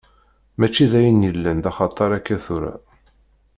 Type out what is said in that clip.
Mačči d ayen yellan d axatar akka tura.